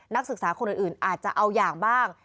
นักศึกษาคนอื่นอาจจะเอาอย่างบ้าง